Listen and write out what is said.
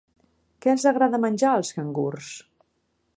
Què els agrada menjar als cangurs?